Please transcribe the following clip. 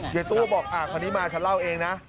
เย็นตู้บอกอ่าพอนี้มาฉันเล่าเองนะ